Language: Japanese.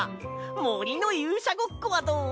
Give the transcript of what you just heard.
もりのゆうしゃごっこはどう？